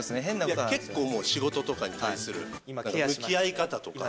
結構仕事とかに対する向き合い方とか。